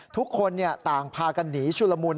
ทุกคนต่างพากันหนีชุลมุน